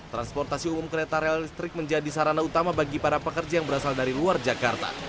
transportasi umum kereta rel listrik menjadi sarana utama bagi para pekerja yang berasal dari luar jakarta